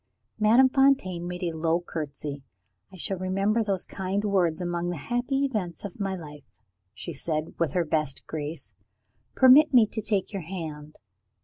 Madame Fontaine made a low curtsey. "I shall remember those kind words, among the happy events of my life," she said, with her best grace. "Permit me to take your hand."